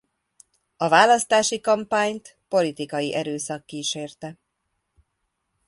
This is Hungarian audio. A választási kampányt politikai erőszak kísérte.